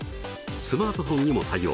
スマートフォンにも対応。